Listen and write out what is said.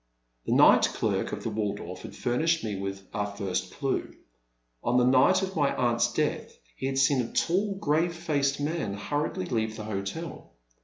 The night clerk of the Waldorf had ftimished us with our first clue. On the night of my aunt's death he had seen a tall, grave faced man, hurriedly leave the hotel.